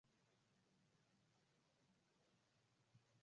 kisha akafundisha sheria ya kikatiba katika Chuo Kikuu cha Chicago